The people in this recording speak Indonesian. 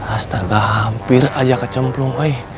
astaga hampir aja kecemplung